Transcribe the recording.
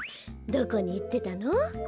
どこにいってたの？